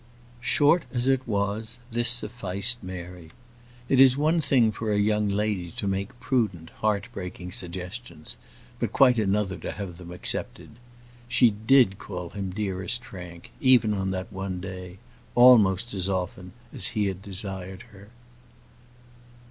Short as it was, this sufficed Mary. It is one thing for a young lady to make prudent, heart breaking suggestions, but quite another to have them accepted. She did call him dearest Frank, even on that one day, almost as often as he had desired her.